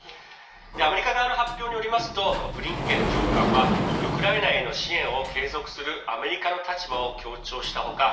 アメリカ側の発表によりますとブリンケン長官はウクライナへの支援を継続するアメリカの立場を強調した他